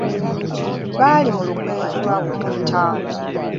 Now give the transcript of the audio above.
Baali mu lukwe lwa kumutta.